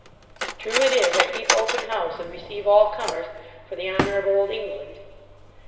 True it is, I keep open house, and receive all corners, for the honour of Old England.